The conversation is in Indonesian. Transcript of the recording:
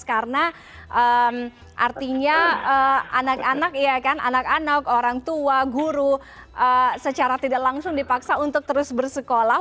karena artinya anak anak ya kan anak anak orang tua guru secara tidak langsung dipaksa untuk terus bersekolah